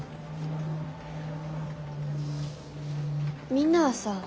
みんなはさ